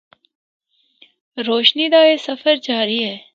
روشنی دا اے سفر جاری ہے۔